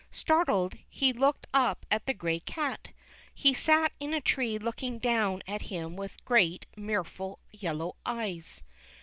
Startled, he looked up at the gray cat. He sat in a tree looking down at him with great mirthful yellow eyes.